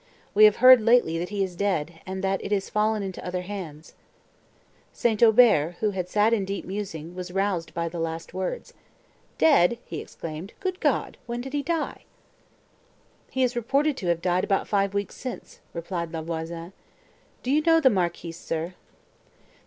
We have heard lately that he is dead, and that it is fallen into other hands." St. Aubert, who had sat in deep musing, was roused by the last words. "Dead!" he exclaimed, "Good God! when did he die?" "He is reported to have died about five weeks since," replied La Voisin. "Did you know the Marquis, sir?"